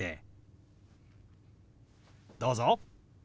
どうぞ。